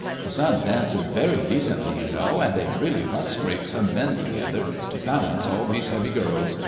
The son dances very decently, you know, and they really must scrape some men together to balance all these heavy girls.